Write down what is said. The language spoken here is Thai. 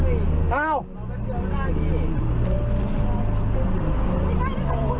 ไม่ได้คิดหรอกนะพี่